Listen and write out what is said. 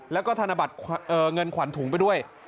แล้วก็ธนบัตรเงินขวัญถุงไปด้วย